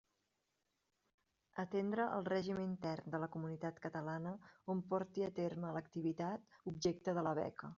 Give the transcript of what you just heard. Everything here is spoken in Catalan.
Atendre el règim intern de la comunitat catalana on porti a terme l'activitat objecte de la beca.